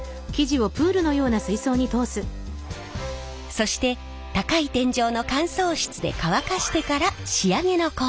そして高い天井の乾燥室で乾かしてから仕上げの工程へ。